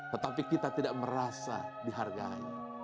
tetapi kita tidak merasa dihargai